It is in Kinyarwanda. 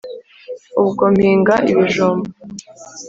Ubwo mpinga ibijumba